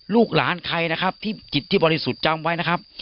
ลูกหลานใครนะครับที่จิตที่บริสุทธิ์จำไว้นะครับ